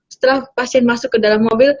setelah pasien masuk ke dalam mobil